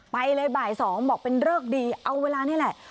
ไปเลยบ่าย๒บอกเป็นเลิกดีเอาเวลานี่แหละ